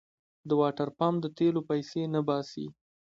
د واټرپمپ د تېلو پيسې نه باسي.